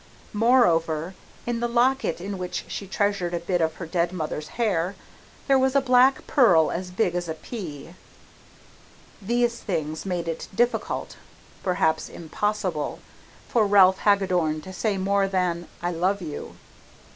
Moreover, in the locket in which she treasured a bit of her dead mother's hair, there was a black pearl as big as a pea. These things made it difficult perhaps impossible for Ralph Hagadorn to say more than, "I love you."